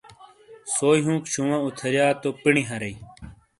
سوئی ہونک شوواں اتھیرییا تو پینڈی ہارۓ۔